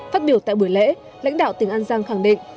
phát biểu tại buổi lễ lãnh đạo tỉnh an giang khẳng định